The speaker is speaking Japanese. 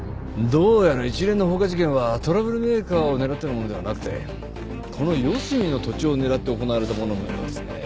どうやら一連の放火事件はトラブルメーカーを狙ってのものではなくてこの四隅の土地を狙って行われたもののようですね。